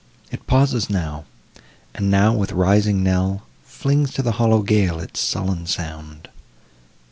It pauses now; and now with rising knell Flings to the hollow gale its sullen sound.